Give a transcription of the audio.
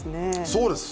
そうです！